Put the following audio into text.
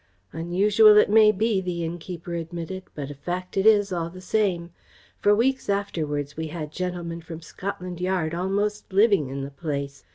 "Unusual it may be," the innkeeper admitted, "but a fact it is, all the same. For weeks afterwards we had gentlemen from Scotland Yard almost living in the place.